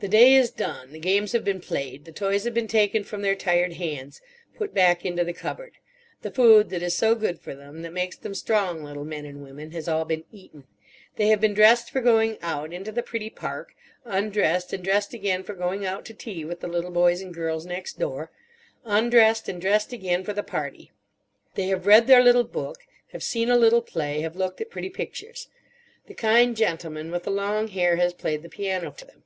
The day is done. The games have been played; the toys have been taken from their tired hands, put back into the cupboard. The food that is so good for them, that makes them strong little men and women, has all been eaten. They have been dressed for going out into the pretty Park, undressed and dressed again for going out to tea with the little boys and girls next door; undressed and dressed again for the party. They have read their little book? have seen a little play, have looked at pretty pictures. The kind gentleman with the long hair has played the piano to them.